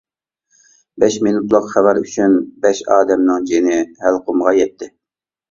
بەش مىنۇتلۇق خەۋەر ئۈچۈن بەش ئادەمنىڭ جېنى ھەلقۇمغا يەتتى.